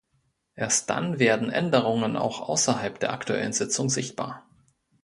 Erst dann werden Änderungen auch außerhalb der aktuellen Sitzung sichtbar.